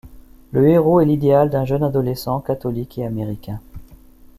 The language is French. Le héros est l’idéal d’un jeune adolescent, catholique et américain.